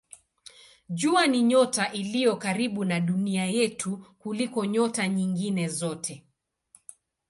Jua ni nyota iliyo karibu na Dunia yetu kuliko nyota nyingine zote.